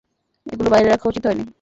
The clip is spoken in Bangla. এগুলো বাইরে রাখা উচিৎ হয়নি।